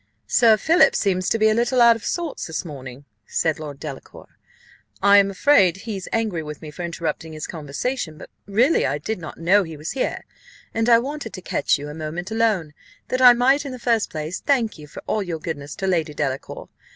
"Sir Philip seems to be a little out of sorts this morning," said Lord Delacour: "I am afraid he's angry with me for interrupting his conversation; but really I did not know he was here, and I wanted to catch you a moment alone, that I might, in the first place, thank you for all your goodness to Lady Delacour.